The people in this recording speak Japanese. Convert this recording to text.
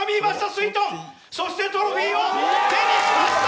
すいとんそしてトロフィーを手にしました！